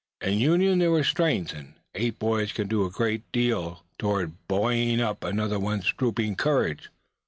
In union there was strength; and eight boys can do a great deal toward buoying up one another's drooping courage.